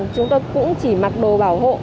chúng tôi cũng chỉ mặc đồ bảo hộ